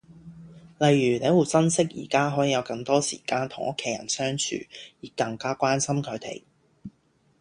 例如你會珍惜宜家可以有更多時間同屋企人相處而更加關心佢哋